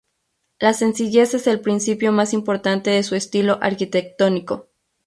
La sencillez es el principio más importante de su estilo arquitectónico.